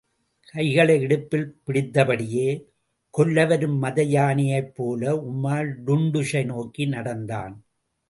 கைகளை இடுப்பில் பிடித்தபடியே, கொல்லவரும் மதயானையைப்போல உமார் டுன்டுஷை நோக்கி நடந்தான்.